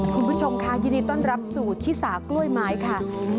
คุณผู้ชมค่ะยินดีต้อนรับสู่ชิสากล้วยไม้ค่ะ